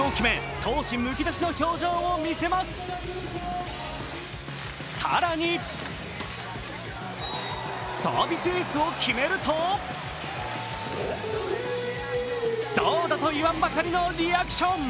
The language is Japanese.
更に更に、サービスエースを決めると、どうだと言わんばかりのリアクション。